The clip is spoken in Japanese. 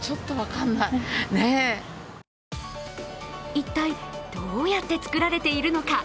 一体、どうやって作られているのか。